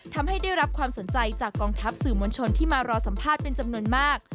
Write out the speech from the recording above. ทำให้ได้รับความสนใจจากกองทัพสื่อมวลชนที่มารอสัมภาษณ์เป็นจำนวนมาก